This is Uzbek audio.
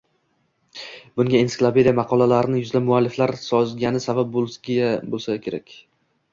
Bunga ensiklopediya maqolalarini yuzlab mualliflar yozgani sabab boʻlsa kerak